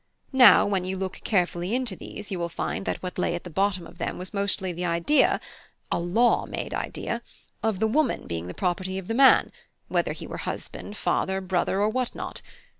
Now, when you look carefully into these, you will find that what lay at the bottom of them was mostly the idea (a law made idea) of the woman being the property of the man, whether he were husband, father, brother, or what not.